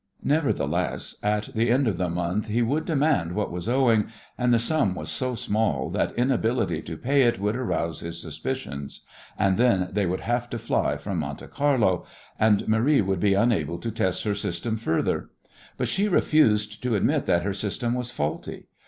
Nevertheless, at the end of the month he would demand what was owing, and the sum was so small that inability to pay it would arouse his suspicions, and then they would have to fly from Monte Carlo, and Marie would be unable to test her system further. But she refused to admit that her system was faulty.